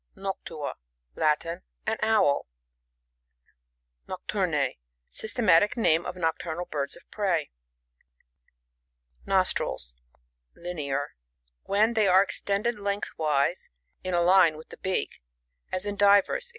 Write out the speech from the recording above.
NocTUA. — Latin. An Owl. NocTURN.£. — Systematic name of nocturnal birds of prey. Nostrils, (Linear) — When they are extended lengthwise in a Ane with the beak, as in Divero, &.